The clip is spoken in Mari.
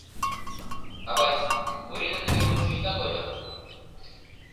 — Авай, Орина нерген лучо итак ойло!